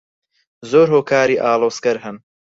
زۆر هۆکاری ئاڵۆزکەر هەن.